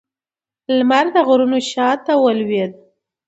لمر د غرونو شا ته ولوېد